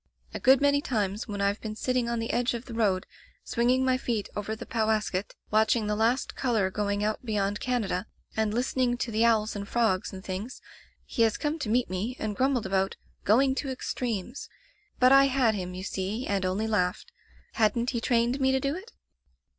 A good many times when Fve been sitting on the edge of the road swinging my feet over the Powasket, watch ing the last color going out beyond Canada, [151 ] Digitized by LjOOQ IC Interventions and listening to the owls and frogs and things, he has come to meet me and grum bled about 'going to extremes/ But I had him, you see, and only laughed. Hadn't he trained me to do it